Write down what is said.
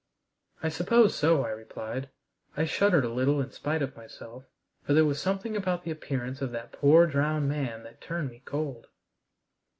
"I suppose so," I replied. I shuddered a little in spite of myself, for there was something about the appearance of that poor drowned man that turned me cold.